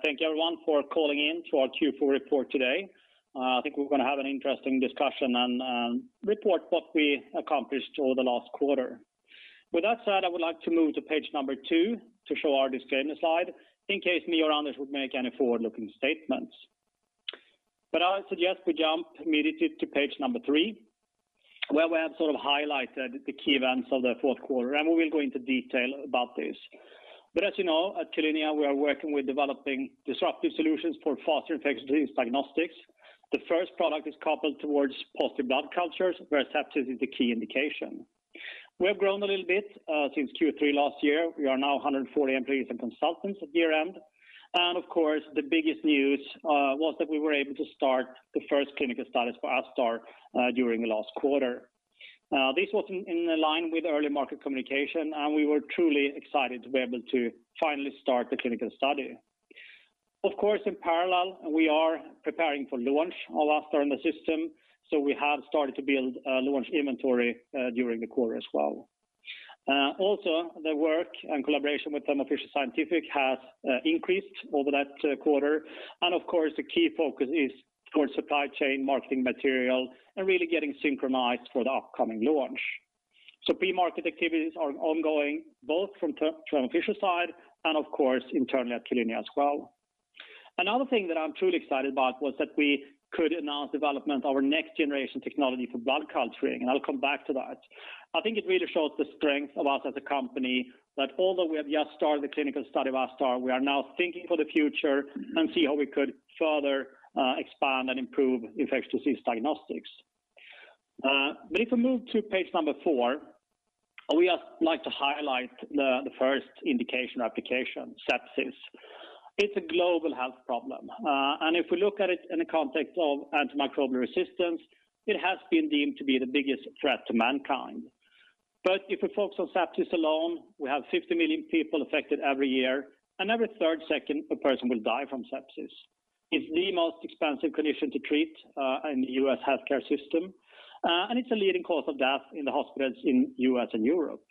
Thank you, everyone, for calling in to our Q4 report today. I think we're going to have an interesting discussion and report what we accomplished over the last quarter. With that said, I would like to move to page number two to show our disclaimer slide in case me or Anders would make any forward-looking statements. I suggest we jump immediately to page number three, where we have highlighted the key events of the fourth quarter, and we will go into detail about this. As you know, at Q-linea, we are working with developing disruptive solutions for faster infectious disease diagnostics. The first product is coupled towards positive blood cultures where sepsis is the key indication. We have grown a little bit since Q3 last year. We are now 140 employees and consultants at year-end. Of course, the biggest news was that we were able to start the first clinical studies for ASTar during the last quarter. This was in line with early market communication, and we were truly excited to be able to finally start the clinical study. Of course, in parallel, we are preparing for launch of ASTar in the system. We have started to build launch inventory during the quarter as well. Also, the work and collaboration with Thermo Fisher Scientific has increased over that quarter. Of course, the key focus is towards supply chain marketing material and really getting synchronized for the upcoming launch. Pre-market activities are ongoing, both from Thermo Fisher side and of course, internally at Q-linea as well. Another thing that I’m truly excited about was that we could announce development of our next generation technology for blood culturing, and I’ll come back to that. I think it really shows the strength of us as a company that although we have just started the clinical study of ASTar, we are now thinking for the future and see how we could further expand and improve infectious disease diagnostics. If we move to page number four, we like to highlight the first indication application, sepsis. It’s a global health problem. If we look at it in the context of antimicrobial resistance, it has been deemed to be the biggest threat to mankind. If we focus on sepsis alone, we have 50 [million] people affected every year, and every third second, a person will die from sepsis. It's the most expensive condition to treat in the U.S. healthcare system. It's a leading cause of death in the hospitals in U.S. and Europe.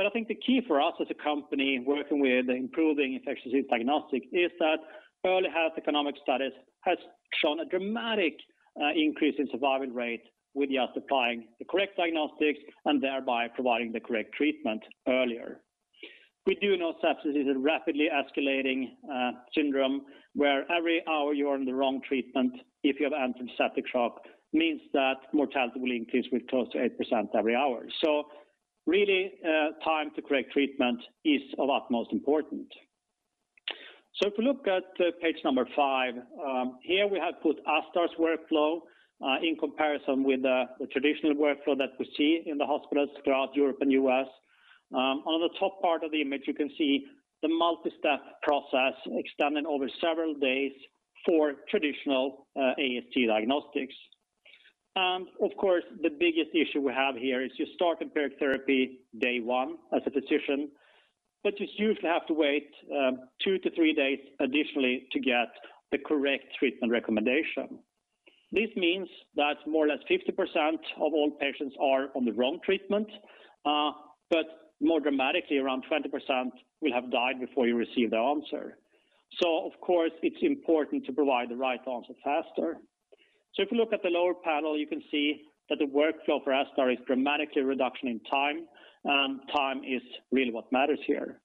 I think the key for us as a company working with improving infectious disease diagnostics is that early health economic studies have shown a dramatic increase in survival rate with just applying the correct diagnostics and thereby providing the correct treatment earlier. We do know sepsis is a rapidly escalating syndrome where every hour you're on the wrong treatment if you have septic shock means that mortality will increase with close to 8% every hour. Really, time to correct treatment is of utmost importance. If you look at page number five, here we have put ASTar's workflow in comparison with the traditional workflow that we see in the hospitals throughout Europe and U.S. On the top part of the image, you can see the multi-step process extending over several days for traditional AST diagnostics. Of course, the biggest issue we have here is you start empiric therapy day one as a physician, but you usually have to wait two to three days additionally to get the correct treatment recommendation. This means that more or less 50% of all patients are on the wrong treatment, but more dramatically, around 20% will have died before you receive the answer. Of course, it's important to provide the right answer faster. If you look at the lower panel, you can see that the workflow for ASTar is dramatically reduction in time, and time is really what matters here.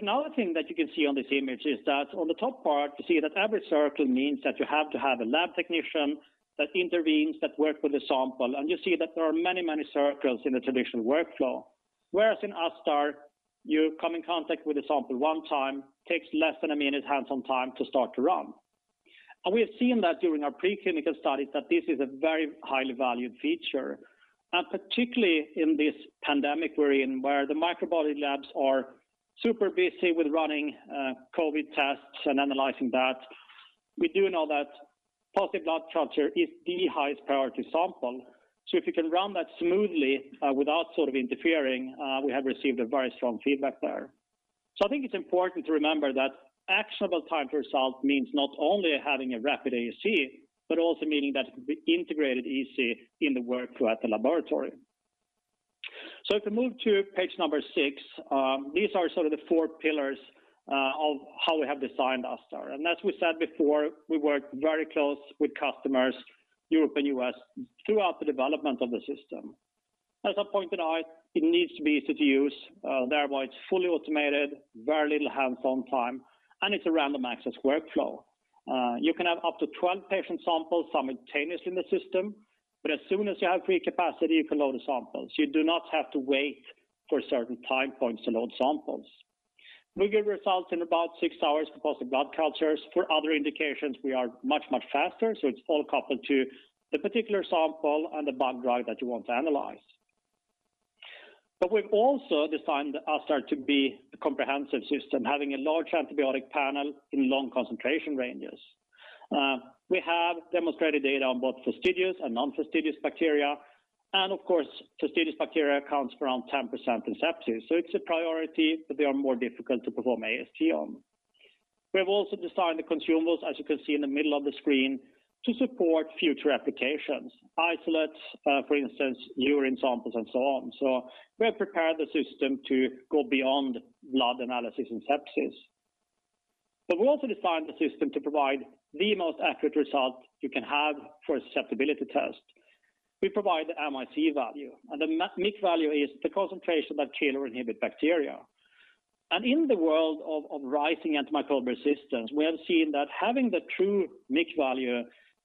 Another thing that you can see on this image is that on the top part, you see that every circle means that you have to have a lab technician that intervenes, that work with the sample, and you see that there are many circles in the traditional workflow. Whereas in ASTar, you come in contact with the sample one time, takes less than a minute hands-on time to start to run. We have seen that during our preclinical studies that this is a very highly valued feature. Particularly in this pandemic we're in, where the microbiology labs are super busy with running COVID tests and analyzing that, we do know that positive blood culture is the highest priority sample. If you can run that smoothly without interfering, we have received a very strong feedback there. I think it's important to remember that actionable time to result means not only having a rapid AST, but also meaning that it could be integrated easy in the workflow at the laboratory. If we move to page number six, these are sort of the four pillars of how we have designed ASTar. As we said before, we work very close with customers, Europe and U.S., throughout the development of the system. As I pointed out, it needs to be easy to use. Therefore, it's fully automated, very little hands-on time, and it's a random access workflow. You can have up to 12 patient samples simultaneously in the system, but as soon as you have free capacity, you can load the samples. You do not have to wait for certain time points to load samples. We get results in about six hours for positive blood cultures. For other indications, we are much faster. It's all coupled to the particular sample and the blood draw that you want to analyze. We've also designed ASTar to be a comprehensive system, having a large antibiotic panel in long concentration ranges. We have demonstrated data on both fastidious and non-fastidious bacteria. Of course, fastidious bacteria accounts for around 10% in sepsis. It's a priority, but they are more difficult to perform AST on. We have also designed the consumables, as you can see in the middle of the screen, to support future applications. Isolates, for instance, urine samples and so on. We have prepared the system to go beyond blood analysis and sepsis. We also designed the system to provide the most accurate result you can have for a susceptibility test. We provide the MIC value, the MIC value is the concentration that kill or inhibit bacteria. In the world of rising antimicrobial resistance, we have seen that having the true MIC value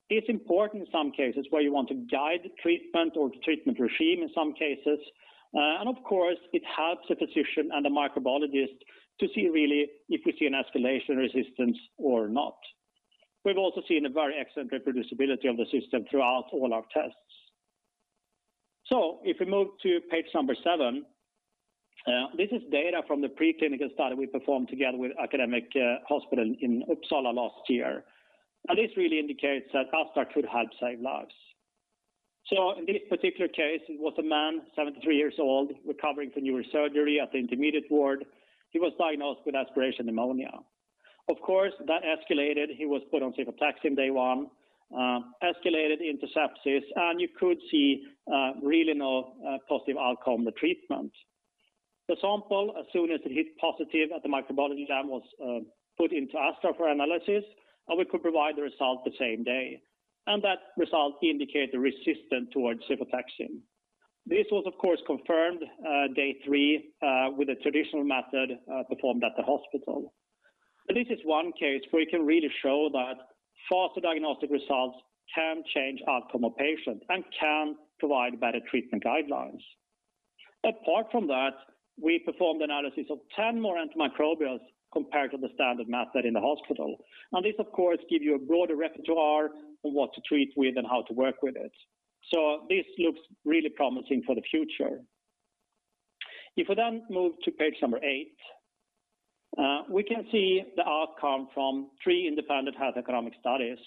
is important in some cases where you want to guide treatment or the treatment regime in some cases. Of course, it helps the physician and the microbiologist to see really if we see an escalation resistance or not. We've also seen a very excellent reproducibility of the system throughout all our tests. If we move to page number seven, this is data from the pre-clinical study we performed together with academic hospital in Uppsala last year. This really indicates that ASTar could help save lives. In this particular case, it was a man, 73 years old, recovering from neurosurgery at the intermediate ward. He was diagnosed with aspiration pneumonia. Of course, that escalated. He was put on cefotaxime day one, escalated into sepsis, and you could see really no positive outcome, the treatment. The sample, as soon as it hit positive at the microbiology lab, was put into ASTar for analysis. We could provide the result the same day. That result indicated resistance towards cefotaxime. This was, of course, confirmed day three, with a traditional method, performed at the hospital. This is one case where you can really show that faster diagnostic results can change outcome of patient and can provide better treatment guidelines. Apart from that, we performed analysis of 10 more antimicrobials compared to the standard method in the hospital. This, of course, give you a broader repertoire of what to treat with and how to work with it. This looks really promising for the future. If we move to page number eight, we can see the outcome from three independent health economic studies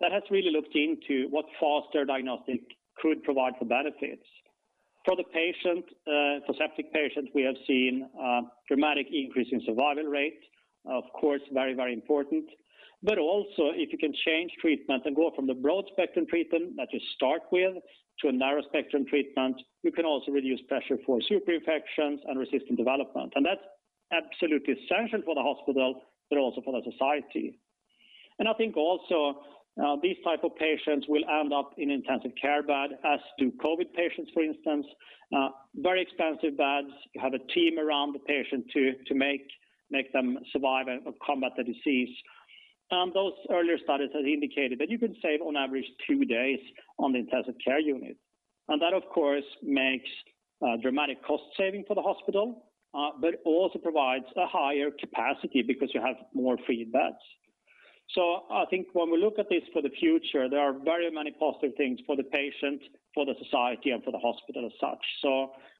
that has really looked into what faster diagnostic could provide for benefits. For the patient, for septic patients, we have seen a dramatic increase in survival rates, of course, very, very important. Also, if you can change treatment and go from the broad-spectrum treatment that you start with to a narrow-spectrum treatment, you can also reduce pressure for superinfections and resistant development. That's absolutely essential for the hospital, but also for the society. I think also, these type of patients will end up in intensive care bed, as do COVID patients, for instance. Very expensive beds. You have a team around the patient to make them survive and combat the disease. Those earlier studies have indicated that you can save on average two days on the intensive care unit. That, of course, makes dramatic cost saving for the hospital, but also provides a higher capacity because you have more free beds. I think when we look at this for the future, there are very many positive things for the patient, for the society, and for the hospital as such.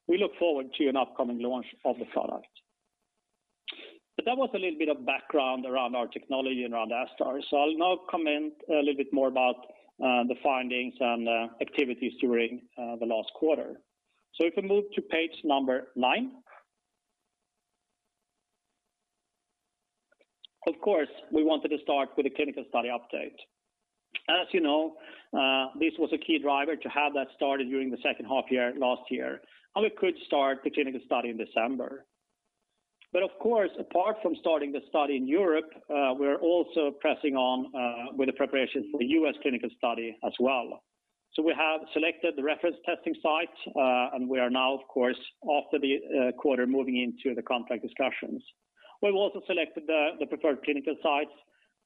We look forward to an upcoming launch of the product. That was a little bit of background around our technology and around ASTar. I'll now comment a little bit more about the findings and activities during the last quarter. If we move to page number nine. Of course, we wanted to start with a clinical study update. As you know, this was a key driver to have that started during the second half-year last year. We could start the clinical study in December. Of course, apart from starting the study in Europe, we're also pressing on with the preparation for the U.S. clinical study as well. We have selected the reference testing sites, and we are now, of course, after the quarter, moving into the contract discussions. We've also selected the preferred clinical sites.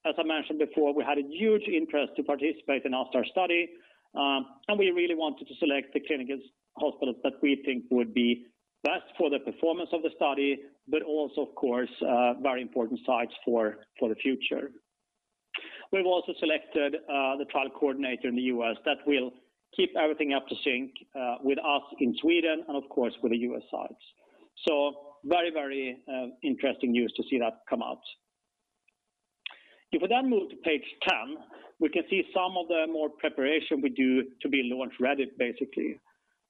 As I mentioned before, we had a huge interest to participate in ASTar study, and we really wanted to select the clinical hospitals that we think would be best for the performance of the study, but also, of course, very important sites for the future. We've also selected the trial coordinator in the U.S. that will keep everything up to sync with us in Sweden and of course with the U.S. sites. Very, very interesting news to see that come out. If we move to page 10, we can see some of the more preparation we do to be launch-ready, basically.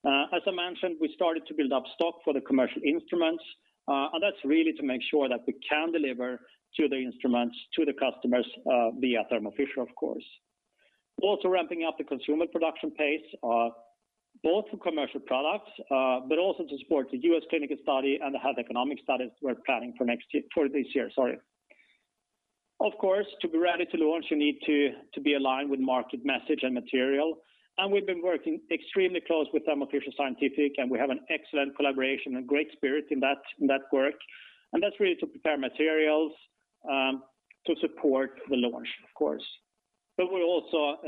As I mentioned, we started to build up stock for the commercial instruments, and that's really to make sure that we can deliver to the instruments, to the customers, via Thermo Fisher, of course. Also ramping up the consumer production pace, both for commercial products, but also to support the U.S. clinical study and the health economic studies we're planning for this year. Of course, to be ready to launch, you need to be aligned with market message and material. We've been working extremely close with Thermo Fisher Scientific. We have an excellent collaboration and great spirit in that work. That's really to prepare materials, to support the launch, of course. We also,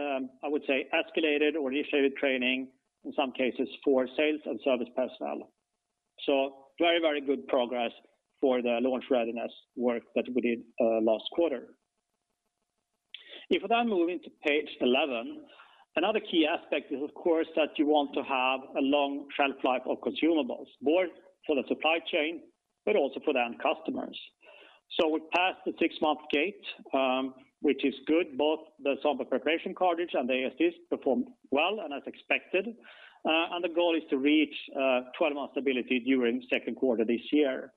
I would say, escalated or initiated training in some cases for sales and service personnel. Very, very good progress for the launch readiness work that we did last quarter. If we're now moving to page 11, another key aspect is, of course, that you want to have a long shelf life of consumables, both for the supply chain but also for the end customers. We passed the six-month gate, which is good. Both the sample preparation cartridge and the ASTar performed well and as expected. The goal is to reach 12-month stability during the second quarter of this year.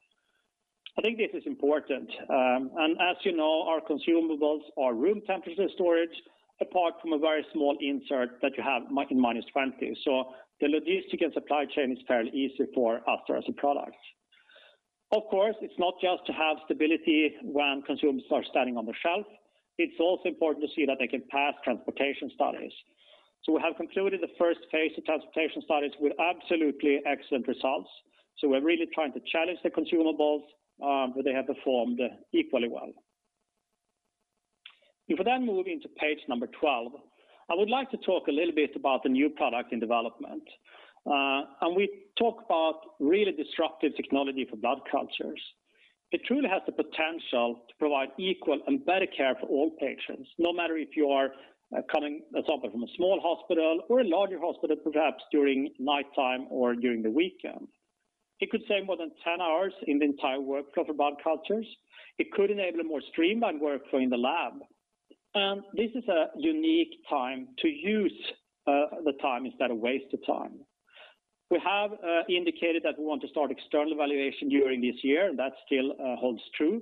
I think this is important. As you know, our consumables are room temperature storage, apart from a very small insert that you have in -20. The logistics and supply chain is fairly easy for us as a product. Of course, it's not just to have stability when consumables are standing on the shelf, it's also important to see that they can pass transportation studies. We have concluded the first phase of transportation studies with absolutely excellent results. We're really trying to challenge the consumables, but they have performed equally well. If we move into page number 12, I would like to talk a little bit about the new product in development. We talk about really disruptive technology for blood cultures. It truly has the potential to provide equal and better care for all patients, no matter if you are coming, let's say, from a small hospital or a larger hospital, perhaps during nighttime or during the weekend. It could save more than 10 hours in the entire workflow for blood cultures. It could enable a more streamlined workflow in the lab. This is a unique time to use the time instead of waste the time. We have indicated that we want to start external evaluation during this year. That still holds true.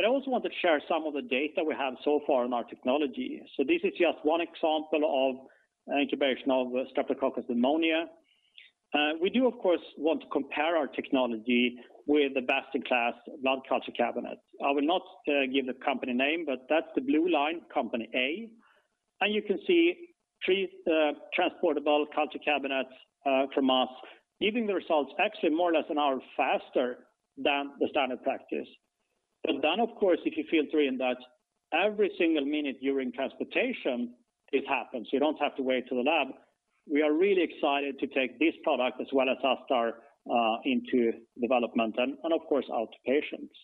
I also want to share some of the data we have so far on our technology. This is just one example of an incubation of Streptococcus pneumoniae. We do, of course, want to compare our technology with the best-in-class blood culture cabinets. I will not give the company name, but that's the blue line, company A. You can see [portable culture] cabinets from us giving the results actually more or less an hour faster than the standard practice. Of course, if you filter in that every single minute during transportation, it happens. You don't have to wait to the lab. We are really excited to take this product as well as ASTar into development and, of course, out to patients.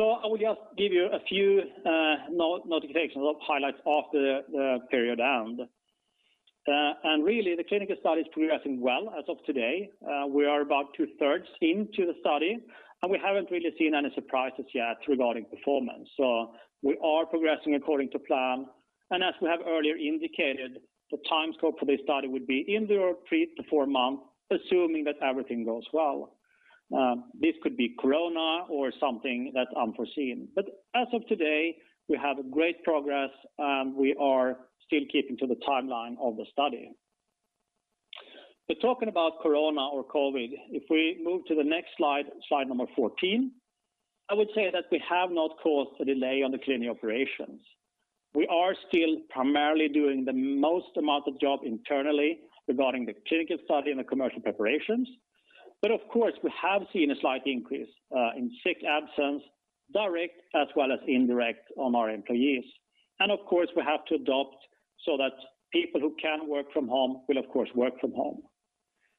I will just give you a few notifications or highlights after the period end. Really, the clinical study is progressing well as of today. We are about two-thirds into the study, and we haven't really seen any surprises yet regarding performance. We are progressing according to plan. As we have earlier indicated, the time scope for this study would be in the three to four months, assuming that everything goes well. This could be corona or something that's unforeseen. As of today, we have great progress, and we are still keeping to the timeline of the study. Talking about corona or COVID, if we move to the next slide 14, I would say that we have not caused a delay on the clinical operations. We are still primarily doing the most amount of job internally regarding the clinical study and the commercial preparations. Of course, we have seen a slight increase in sick absence, direct as well as indirect on our employees. Of course, we have to adapt so that people who can work from home will, of course, work from home.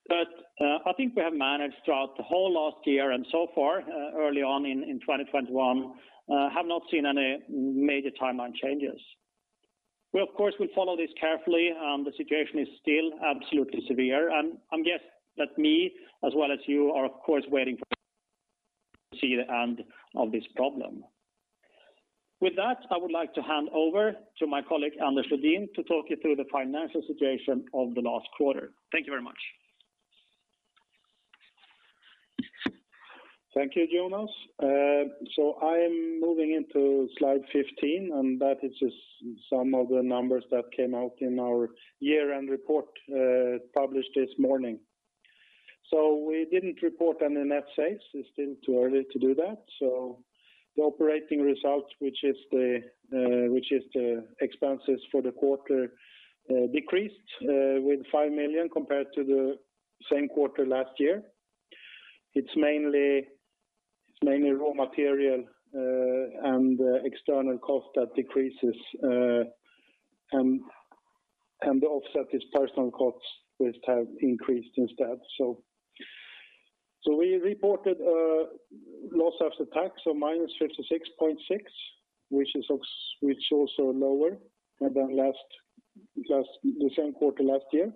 I think we have managed throughout the whole last year and so far early on in 2021, have not seen any major timeline changes. Well, of course, we follow this carefully. The situation is still absolutely severe. I guess that me, as well as you, are of course waiting to see the end of this problem. With that, I would like to hand over to my colleague, Anders Lundin, to talk you through the financial situation of the last quarter. Thank you very much. Thank you, Jonas. I am moving into slide 15, and that is just some of the numbers that came out in our year-end report published this morning. We didn't report on an F6. It's still too early to do that. The operating results, which is the expenses for the quarter, decreased with 5 million compared to the same quarter last year. It's mainly raw material and external cost that decreases, and the offset is personal costs which have increased instead. We reported a loss after tax of -56.6, which is also lower than the same quarter last year.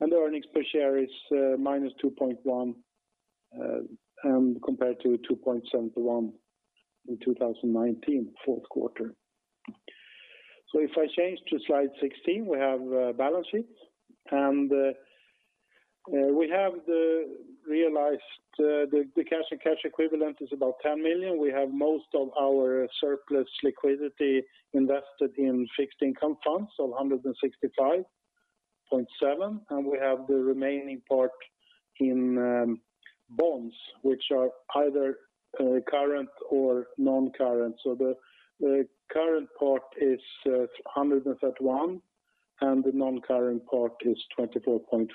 The earnings per share is -2.1 compared to 2.71 in 2019 fourth quarter. If I change to slide 16, we have balance sheets. We have realized the cash and cash equivalent is about 10 million. We have most of our surplus liquidity invested in fixed income funds, 165.7. We have the remaining part in bonds, which are either current or non-current. The current part is 131, and the non-current part is 24.4.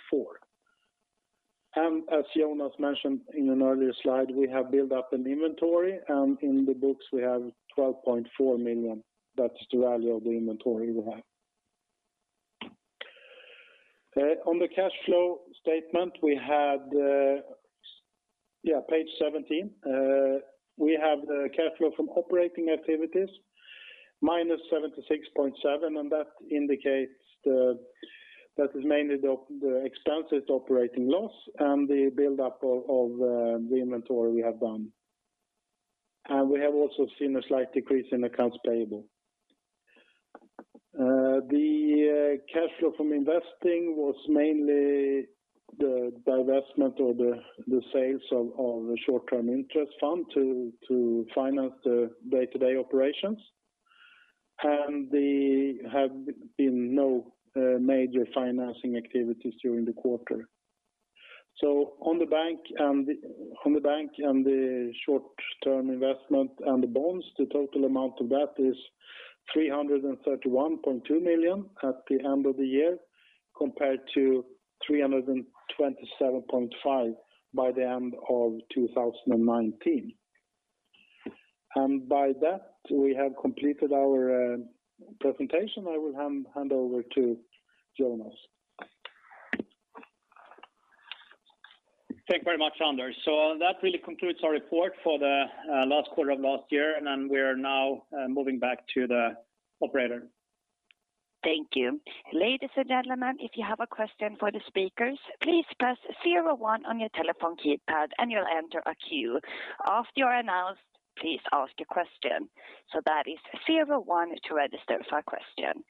As Jonas mentioned in an earlier slide, we have built up an inventory, and in the books, we have 12.4 million. That's the value of the inventory we have. On the cash flow statement we had, page 17, we have the cash flow from operating activities -76.7, that indicates that is mainly the expenses operating loss and the buildup of the inventory we have done. We have also seen a slight decrease in accounts payable. The cash flow from investing was mainly the divestment or the sales of the short-term interest fund to finance the day-to-day operations. There have been no major financing activities during the quarter. On the bank and the short-term investment and the bonds, the total amount of that is 331.2 million at the end of the year, compared to 327.5 million by the end of 2019. By that, we have completed our presentation. I will hand over to Jonas. Thank you very much, Anders. That really concludes our report for the last quarter of last year, and we're now moving back to the operator. Thank you. Ladies and gentlemen, if you have a question for the speakers, please press 01 on your telephone keypad and you'll enter a queue. After you're announced, please ask your question. That is 01 to register for a question.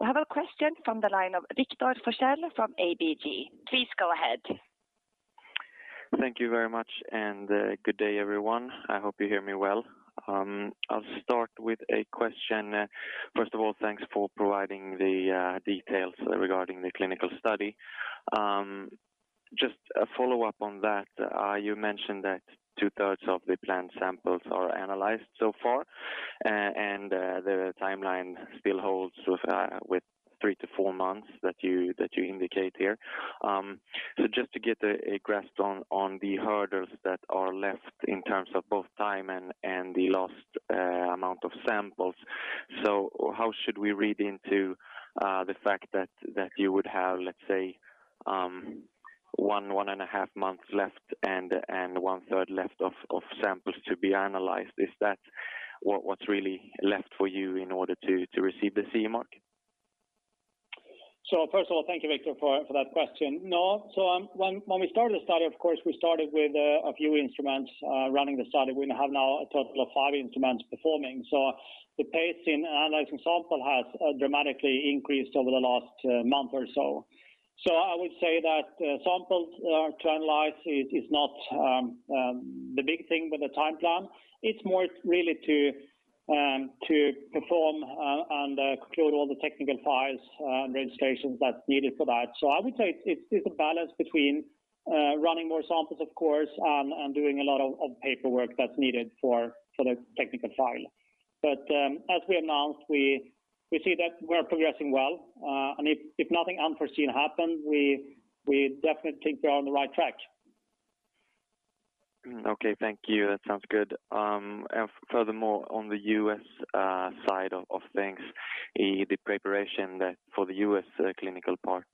We have a question from the line of Victor Forssell from ABG Sundal Collier. Please go ahead. Thank you very much. Good day, everyone. I hope you hear me well. I'll start with a question. First of all, thanks for providing the details regarding the clinical study. Just a follow-up on that. You mentioned that two-thirds of the planned samples are analyzed so far, and the timeline still holds with three to four months that you indicate here. Just to get a grasp on the hurdles that are left in terms of both time and the lost amount of samples. How should we read into the fact that you would have, let's say, 1.5 Months left and 1/3 left of samples to be analyzed? Is that what's really left for you in order to receive the CE mark? First of all, thank you, Victor, for that question. No. When we started the study, of course, we started with a few instruments running the study. We now have a total of five instruments performing. The pace in analyzing samples has dramatically increased over the last month or so. I would say that samples to analyze is not the big thing with the timeline. It's more really to perform and conclude all the technical files and registrations that's needed for that. I would say it's a balance between running more samples, of course, and doing a lot of paperwork that's needed for the technical file. As we announced, we see that we're progressing well. If nothing unforeseen happens, we definitely think we're on the right track. Okay. Thank you. That sounds good. Furthermore, on the U.S. side of things, the preparation for the U.S. clinical part.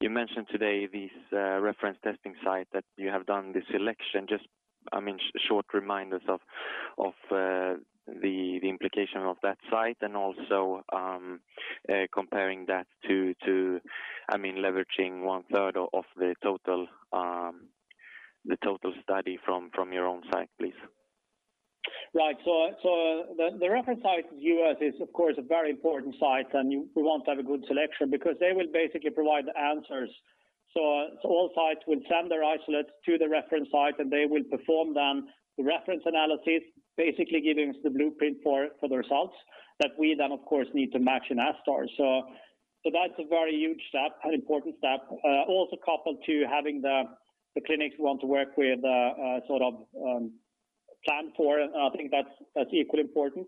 You mentioned today this reference testing site that you have done the selection. Just short reminders of the implication of that site and also comparing that to leveraging one-third of the total study from your own site, please. Right. The reference site in the U.S. is, of course, a very important site, and we want to have a good selection because they will basically provide the answers. All sites will send their isolates to the reference site, and they will perform the reference analysis, basically giving us the blueprint for the results that we then, of course, need to match in ASTar. That's a very huge step, an important step. Also coupled to having the clinics we want to work with sort of plan for, and I think that's equally important.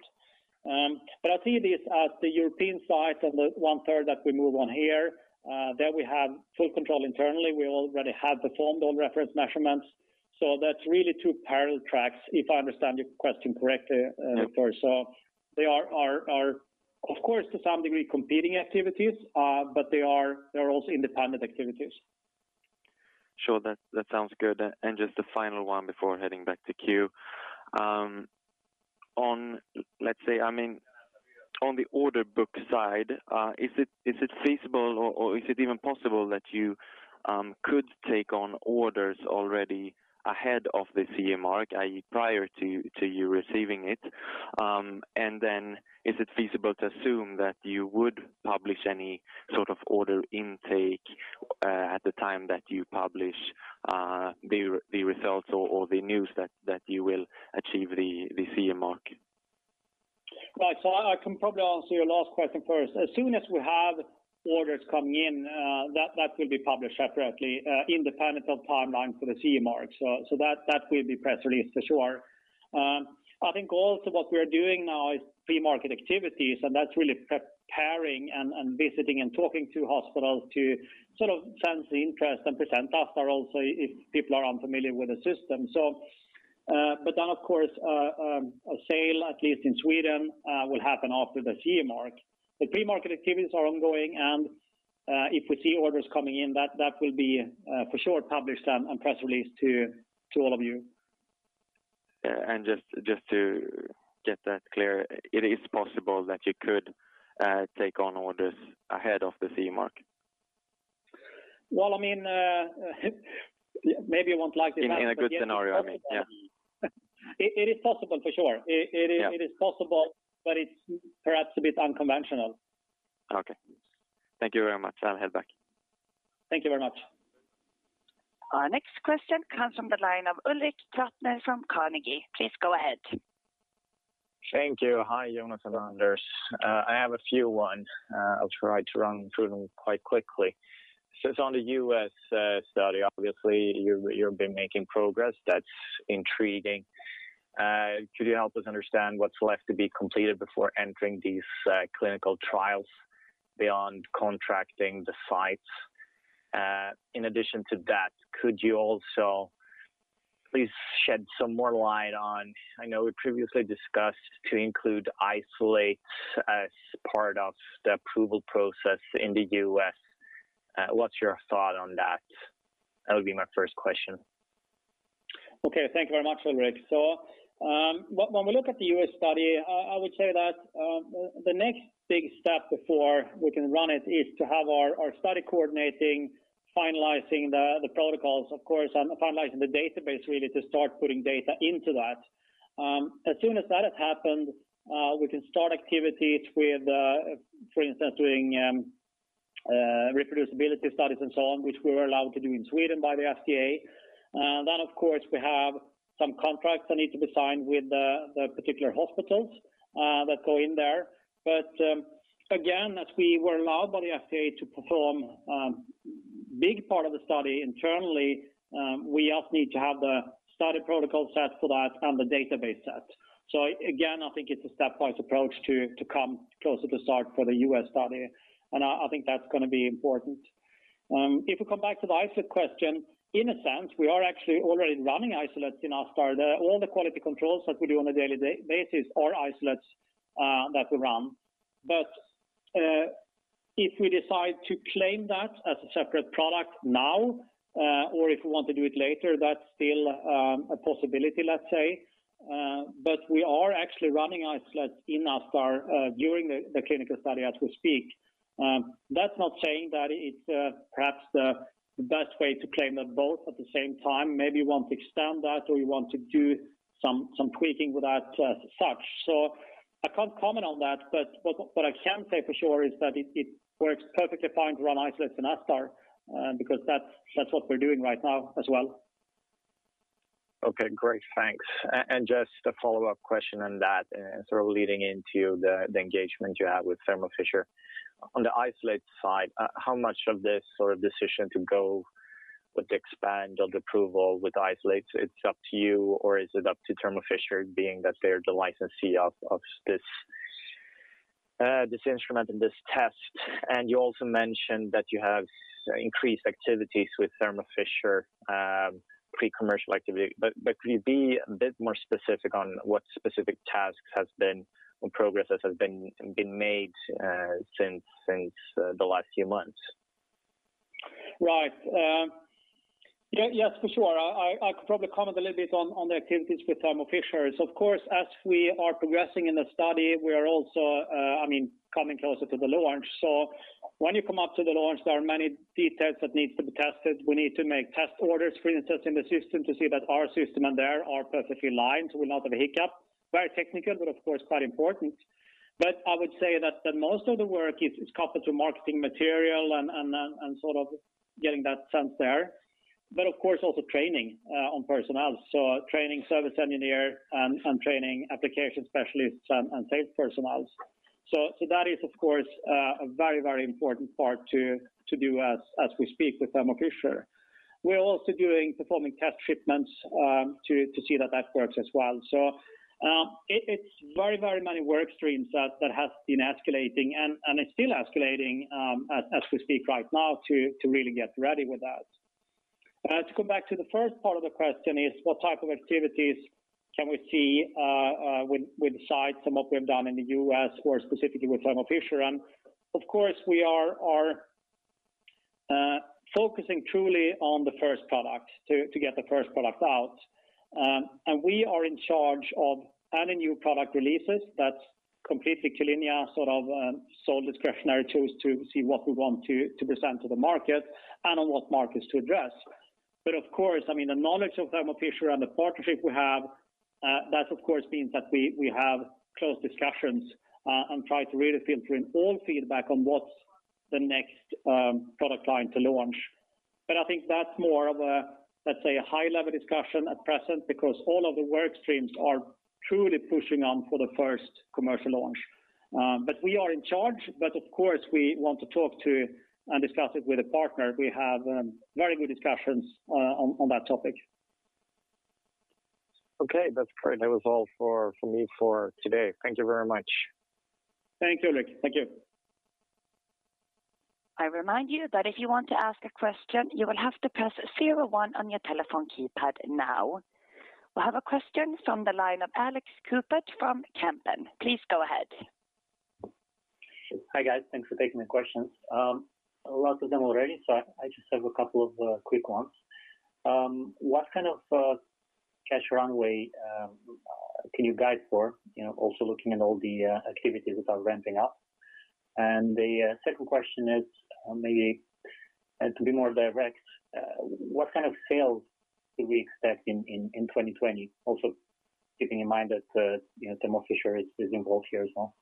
I see this as the European site and the 1/3 that we move on here, that we have full control internally. We already have performed all reference measurements. That's really two parallel tracks, if I understand your question correctly, Victor. They are, of course, to some degree, competing activities, but they're also independent activities. Sure. That sounds good. Just a final one before heading back to queue. On the order book side, is it feasible or is it even possible that you could take on orders already ahead of the CE mark, i.e., prior to you receiving it? Is it feasible to assume that you would publish any sort of order intake at the time that you publish the results or the news that you will achieve the CE mark? Right. I can probably answer your last question first. As soon as we have orders coming in, that will be published separately, independent of timeline for the CE mark. That will be press released for sure. I think also what we're doing now is pre-market activities, and that's really preparing and visiting and talking to hospitals to sort of sense the interest and present ASTar also if people are unfamiliar with the system. Of course, a sale, at least in Sweden, will happen after the CE mark. The pre-market activities are ongoing and if we see orders coming in, that will be for sure published and press released to all of you. Just to get that clear, it is possible that you could take on orders ahead of the CE mark? Well, maybe you won't like the answer. In a good scenario, I mean, yeah. It is possible for sure. Yeah. It is possible, but it's perhaps a bit unconventional. Okay. Thank you very much. I will head back. Thank you very much. Our next question comes from the line of Ulrik Trattner from Carnegie. Please go ahead. Thank you. Hi, Jonas and Anders. I have a few one. I'll try to run through them quite quickly. It's on the U.S. study. Obviously, you've been making progress. That's intriguing. Could you help us understand what's left to be completed before entering these clinical trials beyond contracting the sites? In addition to that, could you also please shed some more light on, I know we previously discussed to include isolates as part of the approval process in the U.S. What's your thought on that? That would be my first question. Okay. Thank you very much, Ulrik. When we look at the U.S. study, I would say that the next big step before we can run it is to have our study coordinating, finalizing the protocols, of course, and finalizing the database really to start putting data into that. As soon as that has happened, we can start activities with, for instance, doing reproducibility studies and so on, which we were allowed to do in Sweden by the FDA. Of course, we have some contracts that need to be signed with the particular hospitals that go in there. Again, as we were allowed by the FDA to perform big part of the study internally, we also need to have the study protocol set for that and the database set. Again, I think it's a stepwise approach to come closer to start for the U.S. study, and I think that's going to be important. If we come back to the isolate question, in a sense, we are actually already running isolates in ASTar. All the quality controls that we do on a daily basis are isolates that we run. If we decide to claim that as a separate product now, or if we want to do it later, that's still a possibility, let's say. We are actually running isolates in ASTar during the clinical study as we speak. That's not saying that it's perhaps the best way to claim them both at the same time. Maybe we want to extend that, or we want to do some tweaking with that as such. I can't comment on that, but what I can say for sure is that it works perfectly fine to run isolates in ASTar, because that's what we're doing right now as well. Okay. Great. Thanks. Just a follow-up question on that, sort of leading into the engagement you have with Thermo Fisher. On the isolate side, how much of this sort of decision to go with the expanded approval with isolates, it's up to you or is it up to Thermo Fisher being that they're the licensee of this instrument and this test? You also mentioned that you have increased activities with Thermo Fisher pre-commercial activity. Could you be a bit more specific on what specific tasks has been or progresses has been made since the last few months? Right. Yes, for sure. I could probably comment a little bit on the activities with Thermo Fisher. Of course, as we are progressing in the study, we are also coming closer to the launch. When you come up to the launch, there are many details that need to be tested. We need to make test orders, for instance, in the system to see that our system and their are perfectly aligned, so we'll not have a hiccup. Very technical, but of course, quite important. I would say that most of the work is coupled to marketing material and sort of getting that sense there. Of course, also training on personnel. Training service engineer and training application specialists and sales personnels. That is of course a very important part to do as we speak with Thermo Fisher. We're also doing performing test shipments to see that works as well. It's very many work streams that have been escalating and it's still escalating as we speak right now to really get ready with that. To come back to the first part of the question is what type of activities can we see with the sites and what we've done in the U.S. or specifically with Thermo Fisher. Of course, we are focusing truly on the first product, to get the first product out. We are in charge of any new product releases that completely Q-linea sort of sole discretionary choose to see what we want to present to the market and on what markets to address. Of course, the knowledge of Thermo Fisher and the partnership we have, that of course means that we have close discussions and try to really filter in all feedback on what's the next product line to launch. I think that's more of a, let's say, a high-level discussion at present because all of the work streams are truly pushing on for the first commercial launch. We are in charge, but of course, we want to talk to and discuss it with a partner. We have very good discussions on that topic. Okay. That's great. That was all for me for today. Thank you very much. Thanks, Ulrik. Thank you. I remind you that if you want to ask a question, you will have to press zero one on your telephone keypad now. We have a question from the line of Alex Compernolle from Kempen. Please go ahead. Hi, guys. Thanks for taking the questions. Lots of them already, so I just have a couple of quick ones. What kind of cash runway can you guide for, also looking at all the activities that are ramping up? The second question is maybe to be more direct, what kind of sales could we expect in 2021? Also keeping in mind that Thermo Fisher is involved here as well.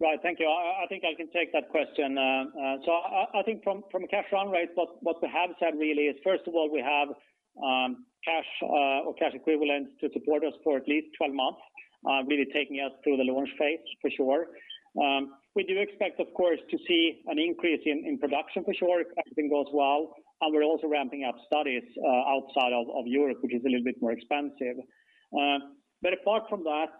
Right. Thank you. I think I can take that question. I think from a cash runway, what we have said really is first of all, we have cash or cash equivalents to support us for at least 12 months, really taking us through the launch phase for sure. We do expect, of course, to see an increase in production for sure, if everything goes well, and we're also ramping up studies outside of Europe, which is a little bit more expensive. Apart from that,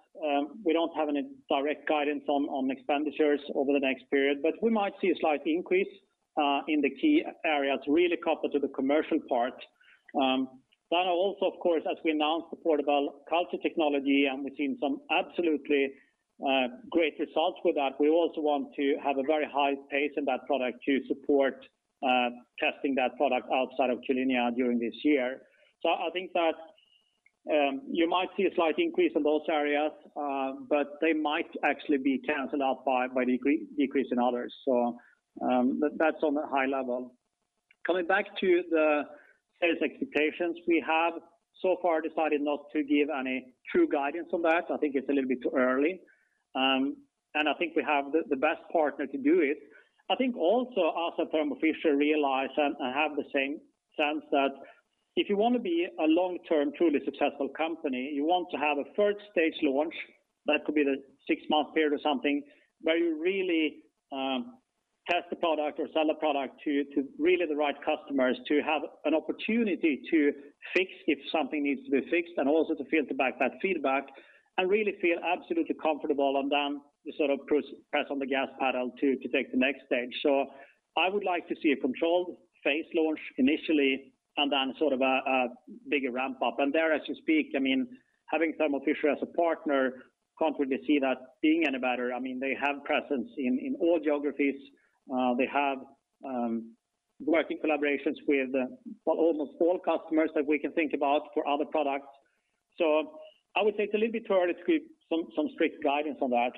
we don't have any direct guidance on expenditures over the next period. We might see a slight increase in the key areas really coupled to the commercial part. Also, of course, as we announced the portable culture technology, and we've seen some absolutely great results with that, we also want to have a very high pace in that product to support testing that product outside of Q-linea during this year. I think that you might see a slight increase in those areas, but they might actually be canceled out by the decrease in others. That's on a high level. Coming back to the sales expectations, we have so far decided not to give any true guidance on that. I think it's a little bit too early. I think we have the best partner to do it. I think also as a Thermo Fisher realize, and I have the same sense that if you want to be a long-term, truly successful company, you want to have a third stage launch. That could be the six-month period or something where you really test the product or sell a product to really the right customers to have an opportunity to fix if something needs to be fixed and also to filter back that feedback. Really feel absolutely comfortable, and then sort of press on the gas pedal to take the next stage. I would like to see a controlled phase launch initially, and then sort of a bigger ramp up. There, as you speak, having Thermo Fisher as a partner, can't really see that being any better. They have presence in all geographies. They have working collaborations with almost all customers that we can think about for other products. I would say it's a little bit too early to give some strict guidance on that.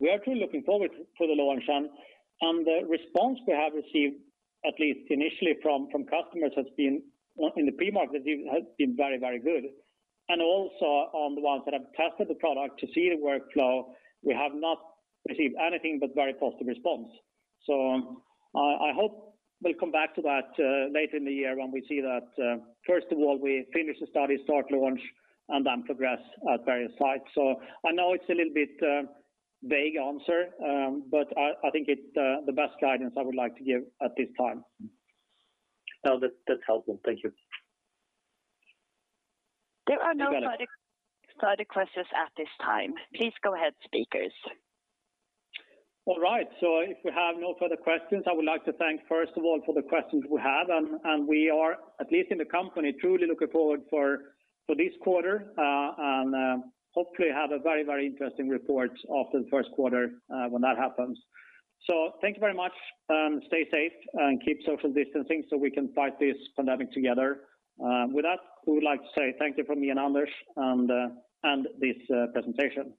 We are truly looking forward to the launch. The response we have received, at least initially from customers in the pre-market has been very, very good. Also on the ones that have tested the product to see the workflow, we have not received anything but very positive response. I hope we'll come back to that later in the year when we see that first of all, we finish the study, start launch, and then progress at various sites. I know it's a little bit vague answer, but I think it's the best guidance I would like to give at this time. No, that's helpful. Thank you. There are no further questions at this time. Please go ahead, speakers. All right. If we have no further questions, I would like to thank first of all for the questions we have, we are, at least in the company, truly looking forward for this quarter. Hopefully have a very, very interesting report of the first quarter when that happens. Thank you very much. Stay safe and keep social distancing so we can fight this pandemic together. With that, we would like to say thank you from me and Anders and end this presentation.